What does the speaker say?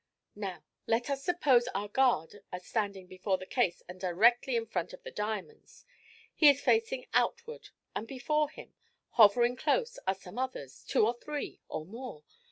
'Now let us suppose our guard as standing before the case and directly in front of the diamonds. He is facing outward, and before him, hovering close, are some others, two or three, or more.